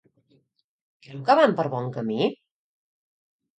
Creu que van per bon camí?